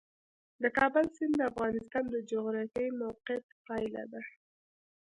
د کابل سیند د افغانستان د جغرافیایي موقیعت پایله ده.